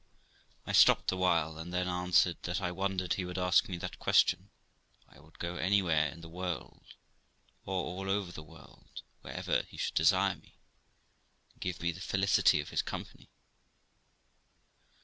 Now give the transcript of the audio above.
I stopped a while, and then answered that I wondered he would ask me that question, for I would go anywhere in the world, or all over the world, wherever he should desire me, and give me the felicity of his company.